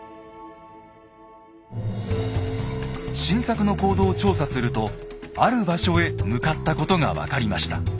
晋作の行動を調査するとある場所へ向かったことが分かりました。